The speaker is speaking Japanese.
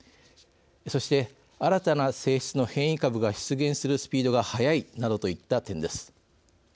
そして、新たな性質の変異株が出現するスピードが速いなどといった点です。